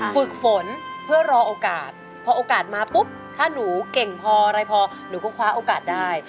ฝึกฝนเพื่อรอโอกาสพอโอกาสมาปุ๊บถ้าหนูเก่งพออะไรพอหนูก็คว้าโอกาสได้